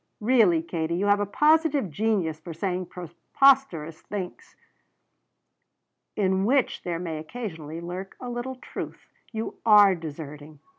"Really, Katie, you have a positive genius for saying preposterous things." "In which there may occasionally lurk a little truth. You are deserting.